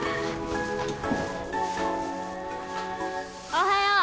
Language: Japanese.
・おはよう。